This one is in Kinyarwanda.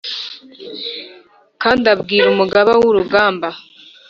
kandi abwira umugaba wurugamba